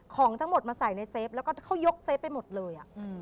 ของทั้งหมดมาใส่ในเฟฟแล้วก็เขายกเซฟไปหมดเลย